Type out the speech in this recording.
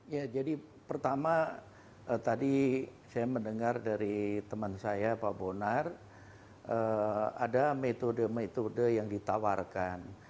ya jadi pertama tadi saya mendengar dari teman saya pak bonar ada metode metode yang ditawarkan